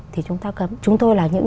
thì chúng ta cấm chúng tôi là những